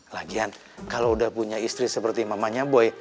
lagian kalau udah punya istri seperti mamanya boy